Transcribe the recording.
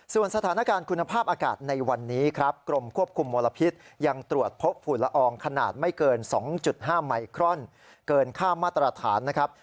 ส่วนสถานการณ์คุณภาพอากาศในวันนี้ครับกรมควบคุมมลพิษยังตรวจพบฝุ่นละอองขนาดไม่เกิน๒๕ไมครอนเกินค่ามาตรฐานนะครับ